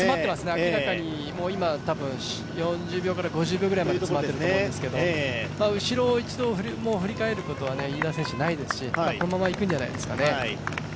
明らかに、今、多分４０秒から５０秒くらい詰まってるんですけど、後ろを一度振り返ることは飯田選手ないですし、このままいくんじゃないですかね。